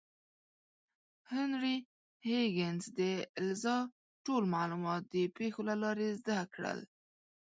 هنري هیګینز د الیزا ټول معلومات د پیښو له لارې زده کړل.